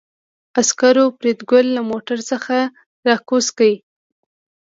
عسکرو فریدګل له موټر څخه راکوز کړ